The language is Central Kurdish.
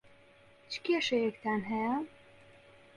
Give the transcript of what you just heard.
چ کێشەیەکتان هەیە؟